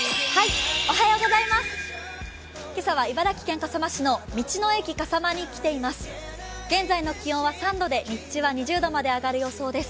今朝は茨城県笠間市の道の駅かさまに来ています。